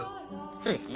そうですね。